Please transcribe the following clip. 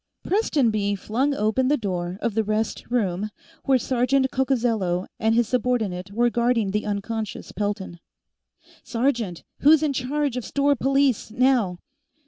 Prestonby flung open the door of the rest room where Sergeant Coccozello and his subordinate were guarding the unconscious Pelton. "Sergeant! Who's in charge of store police, now?"